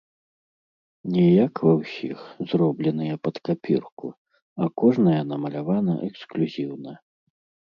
Не як ва ўсіх, зробленыя пад капірку, а кожная намалявана эксклюзіўна.